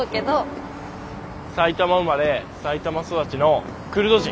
埼玉生まれ埼玉育ちのクルド人。